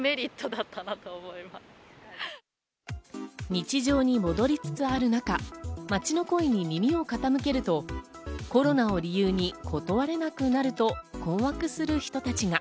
日常に戻りつつある中、街の声に耳を傾けると、コロナを理由に断れなくなると困惑する人たちが。